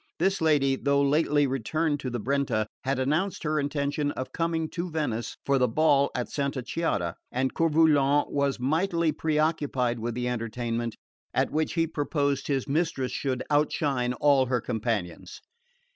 This lady, though lately returned to the Brenta, had announced her intention of coming to Venice for the ball at Santa Chiara; and Coeur Volant was mightily preoccupied with the entertainment, at which he purposed his mistress should outshine all her companions.